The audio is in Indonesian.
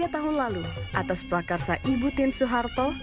tiga tahun lalu atas prakarsa ibu tin suharto